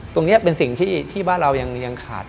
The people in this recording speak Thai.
ตรงนี้เป็นสิ่งที่บ้านเรายังขาด